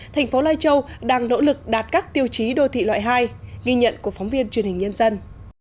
thành phố lai châu đang nỗ lực đạt các tiêu chí đô thị loại hai ghi nhận của phóng viên truyền hình nhân dân